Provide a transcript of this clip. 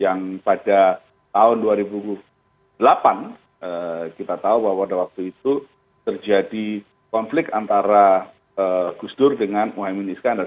yang pada tahun dua ribu delapan kita tahu bahwa pada waktu itu terjadi konflik antara gus dur dengan mohaimin iskandar